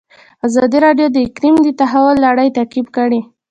ازادي راډیو د اقلیم د تحول لړۍ تعقیب کړې.